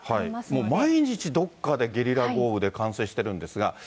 もう毎日どこかでゲリラ豪雨で冠水しているんですが。